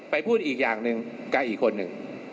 พูดอีกอย่างหนึ่งกับอีกคนหนึ่ง